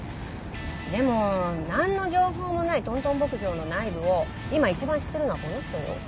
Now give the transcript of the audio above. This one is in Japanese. でも何の情報もないトントン牧場の内部を今一番知ってるのはこの人よ。